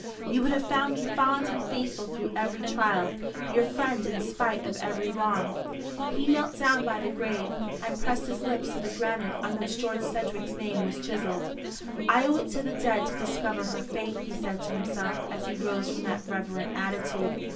You would have found me fond and faithful through every trial, your friend in spite of every wrong." He knelt down by the grave, and pressed his lips to the granite on which George Sedgewick's name was chiselled. "I owe it to the dead to discover her fate," he said to himself, as he rose from that reverent attitude.